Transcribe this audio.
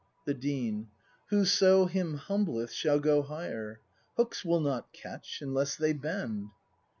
The Dean. Whoso him humbleth shall go higher! Hooks will not catch, unless they bend.